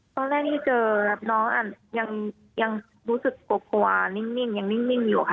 ตอนแรกที่เจอน้องอันยังรู้สึกกลัวนิ่งยังนิ่งอยู่ค่ะ